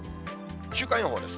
週間予報です。